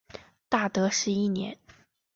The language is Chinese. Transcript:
大德十一年。